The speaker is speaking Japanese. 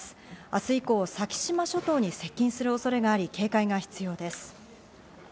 明日以降、先島諸島に接近する恐れがあり、警戒が必要です。